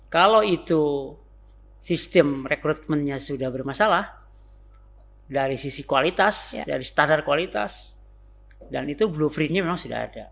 kalau itu sistem rekrutmennya sudah bermasalah dari sisi kualitas dari standar kualitas dan itu blueprintnya memang sudah ada